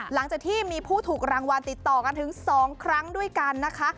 หลังจากที่มีผู้ถูกรางวัลติดต่อกันถึง๒ครั้งด้วยกันนะคะ